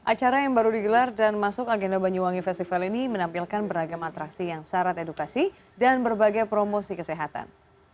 acara yang baru digelar dan masuk agenda banyuwangi festival ini menampilkan beragam atraksi yang syarat edukasi dan berbagai promosi kesehatan